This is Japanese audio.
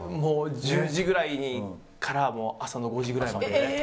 １０時ぐらいから朝の５時ぐらいまで。